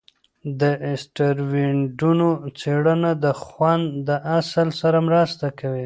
د اسټروېډونو څېړنه د ژوند د اصل سره مرسته کوي.